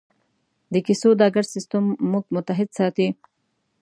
د کیسو دا ګډ سېسټم موږ متحد ساتي.